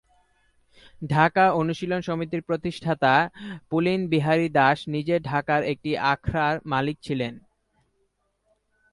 ঢাকা অনুশীলন সমিতি-র প্রতিষ্ঠাতা পুলিনবিহারী দাস নিজে ঢাকার একটি আখড়ার মালিক ছিলেন।